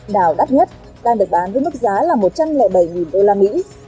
đảo đắt nhất đang được bán với mức giá là một trăm linh bảy usd